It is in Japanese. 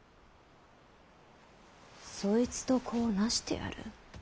そいつと子をなしてやる。